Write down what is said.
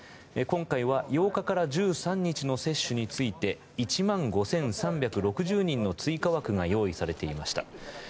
今回は８日から１３日の接種について１万５３６０人の追加枠が用意されていました